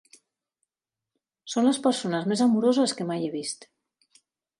Són les persones més amoroses que mai he vist.